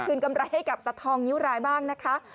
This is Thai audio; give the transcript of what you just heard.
กำไรให้กับตะทองนิ้วรายบ้างนะคะ